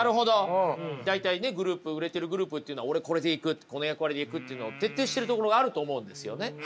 大体ね売れてるグループっていうのは俺これでいくってこの役割でいくっていうのを徹底してるところがあると思うんですよね。